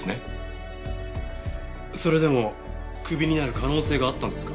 それでもクビになる可能性があったんですか？